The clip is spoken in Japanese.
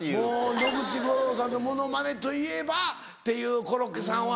野口五郎さんのモノマネといえばっていうコロッケさんは。